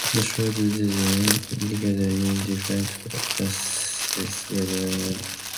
The third digit indicated different classes within the type description.